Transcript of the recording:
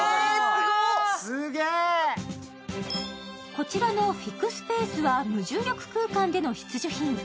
こちらのＦｉｘｐａｃｅは無重力空間での必需品。